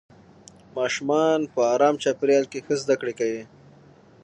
ماشومان په ارام چاپېریال کې ښه زده کړه کوي